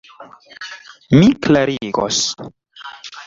Mi klarigos.